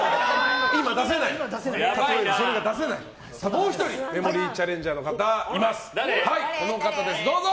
もう１人メモリーチャレンジャーの方。